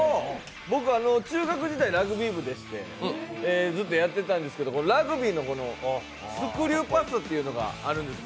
僕、中学時代、ラグビー部でしてずっとやってたんですけどラグビーのスクリューパスというのがあるんです。